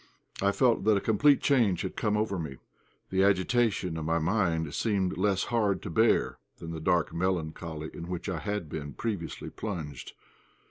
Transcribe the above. I felt that a complete change had come over me. The agitation of my mind seemed less hard to bear than the dark melancholy in which I had been previously plunged.